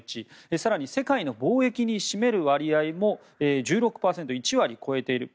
更に、世界の貿易に占める割合も１６％、１割を超えている。